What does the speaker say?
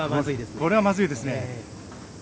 これはまずいですね。